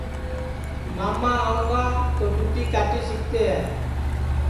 ماما آونگا تو چُوٹی کاٹی سِکتے ہے